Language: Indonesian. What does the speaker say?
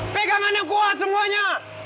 pegang menengkuat semuanya